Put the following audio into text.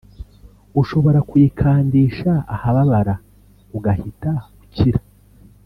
ushobora kuyikandisha ahababara ugahita ukira